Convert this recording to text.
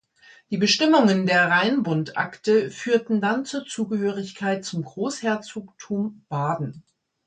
Die Bestimmungen der Rheinbundakte führten dann zur Zugehörigkeit zum Großherzogtum Baden.